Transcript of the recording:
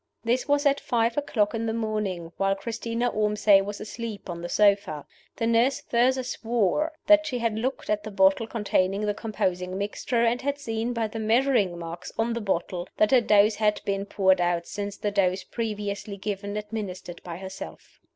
This was at five o'clock in the morning, while Christina Ormsay was asleep on the sofa. The nurse further swore that she had looked at the bottle containing the composing mixture, and had seen by the measuring marks on the bottle that a dose had been poured out since the dose previously given, administered by herself.